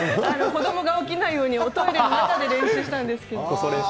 子どもが起きないように、おトイレの中で練習したんですけれども。